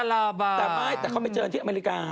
แต่เหิดไปเจอกันที่อเมริกา